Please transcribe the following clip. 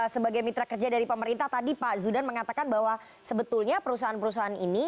sebagai mitra kerja dari pemerintah tadi pak zudan mengatakan bahwa sebetulnya perusahaan perusahaan ini